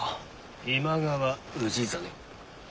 今川氏真。